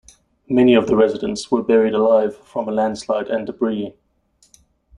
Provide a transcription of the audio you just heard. Many of the residents were buried alive from a landslide and debris.